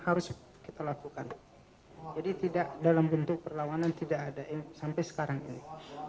harus kita lakukan jadi tidak dalam bentuk perlawanan tidak ada yang sampai sekarang ini